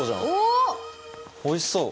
おいしそう！